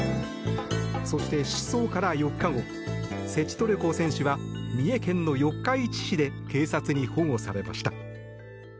そして、失踪から４日後セチトレコ選手は三重県の四日市市で警察に保護されました。